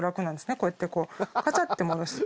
こうやってこうカチャッて戻す。